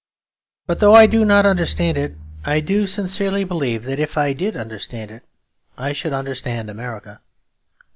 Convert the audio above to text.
But though I do not understand it, I do sincerely believe that if I did understand it, I should understand America.